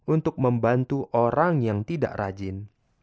untuk membantu orang yang tidak rajin